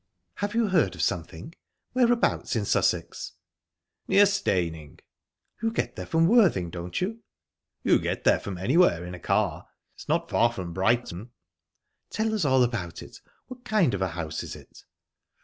"Have you heard of something? Whereabouts in Sussex?" "Near Steyning." "You get there from Worthing, don't you?" "You get there from anywhere, in a car. It's not far from Brighton." "Tell us all about it. What kind of a house is it?"